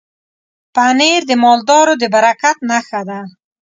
پنېر د مالدارو د برکت نښه ده.